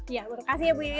iya berkasih ya bu ion